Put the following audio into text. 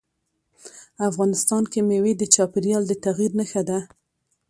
افغانستان کې مېوې د چاپېریال د تغیر نښه ده.